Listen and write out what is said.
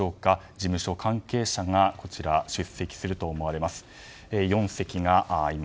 事務所関係者が出席すると思われます。